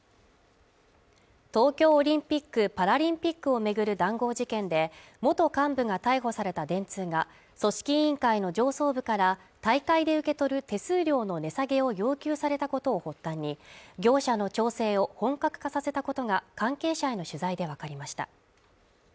東京オリンピック・パラリンピックを巡る談合事件で元幹部が逮捕された電通が組織委員会の上層部から大会で受け取る手数料の値下げを要求されたことを発端に業者の調整を本格化させたことが関係者への取材で分かりました